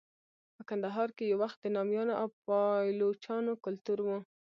په کندهار کې یو وخت د نامیانو او پایلوچانو کلتور و.